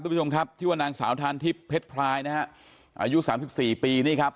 ผู้ชมครับชื่อว่านางสาวทานทิพย์เพชรพลายนะฮะอายุสามสิบสี่ปีนี่ครับ